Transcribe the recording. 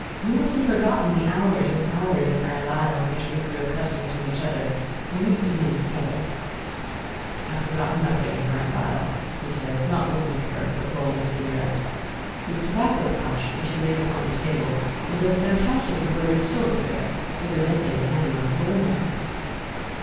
You must have forgotten the hours and hours at Grand Isle in which we grew accustomed to each other and used to being together." "I have forgotten nothing at Grand Isle," he said, not looking at her, but rolling a cigarette. His tobacco pouch, which he laid upon the table, was a fantastic embroidered silk affair, evidently the handiwork of a woman.